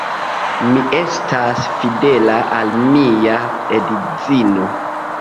Mi estas fidela al mia edzino.